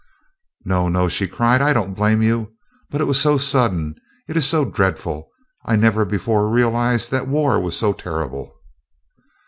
"No, no," she cried, "I don't blame you, but it was so sudden; it is so dreadful. I never before realized that war was so terrible."